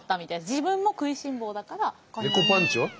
自分も食いしん坊だから。